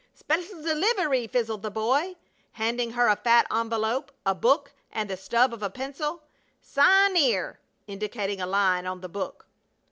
"Sp'c'l d'liv'ry!" fizzed the boy, handing her a fat envelope, a book, and the stub of a pencil. "Si'n'eer!" indicating a line on the book.